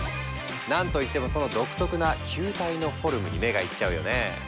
なんといってもその独特な球体のフォルムに目がいっちゃうよね。